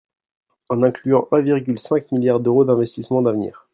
En incluant un virgule cinq milliard d’euros d’investissements d’avenir.